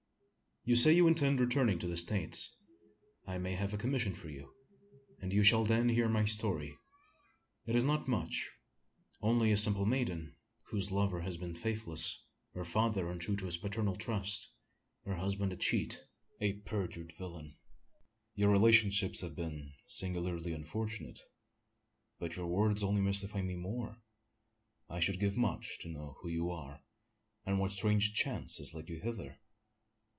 "You say you intend returning to the States. I may have a commission for you; and you shall then hear my story. It is not much. Only a simple maiden, whose lover has been faithless her father untrue to his paternal trust her husband a cheat, a perjured villain." "Your relationships have been singularly unfortunate; but your words only mystify me the more. I should give much to know who you are, and what strange chance has led you hither?"